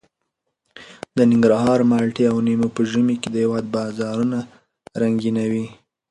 د ننګرهار مالټې او لیمو په ژمي کې د هېواد بازارونه رنګینوي.